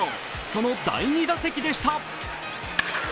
その第２打席でした。